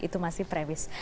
itu masih premis